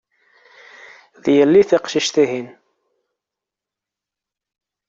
D yelli teqcict-ihin.